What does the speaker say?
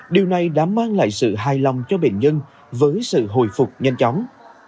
điều này đã mang lại sự hài lòng cho bệnh nhân với sự hồi phục nhanh chóng